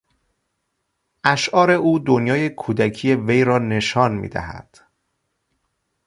اشعار او دنیای کودکی وی را نشان میدهند.